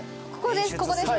ここですか？